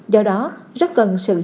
do đó rất cần sự chú ý